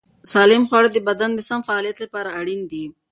سالم خواړه د بدن د سم فعالیت لپاره اړین دي.